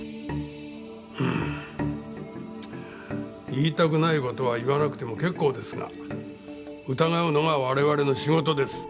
言いたくない事は言わなくても結構ですが疑うのが我々の仕事です。